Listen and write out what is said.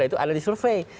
itu ada di survei